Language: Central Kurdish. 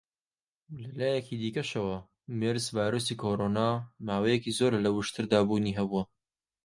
لە لایەکی دیکەشەوە، مێرس-ڤایرۆسی کۆڕۆنا ماوەیەکی زۆرە لە وشتردا بوونی هەبووە.